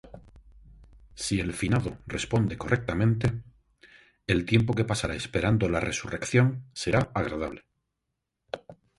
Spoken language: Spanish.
Si el finado responde correctamente, el tiempo que pasará esperando la resurrección será agradable.